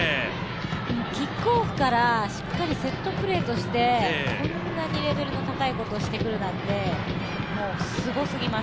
キックオフからしっかりセットプレーとしてこんなにレベルの高いことしてくるなんてもう、すごすぎます。